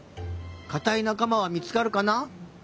かたいなかまはみつかるかな？